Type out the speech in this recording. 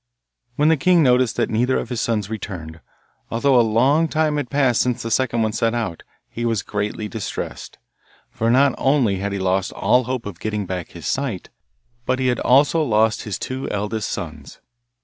When the king noticed that neither of his sons returned, although a long time had passed since the second one set out, he was greatly distressed, for not only had he lost all hope of getting back his sight, but he had also lost his two eldest sons.